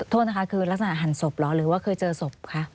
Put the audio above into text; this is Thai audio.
โทษนะคะคือลักษณะหันศพเหรอหรือว่าเคยเจอศพคะ